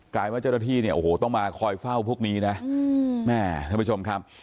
ลายว่าเจ้าหน้าที่เนี่ยโอ้โหต้องมาคอยเฝ้าพวกนี้นะแม่ท่านผู้ชมครับ